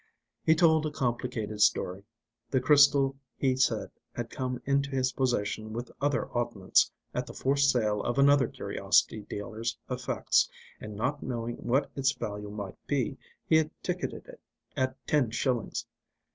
He told a complicated story. The crystal he said had come into his possession with other oddments at the forced sale of another curiosity dealer's effects, and not knowing what its value might be, he had ticketed it at ten shillings.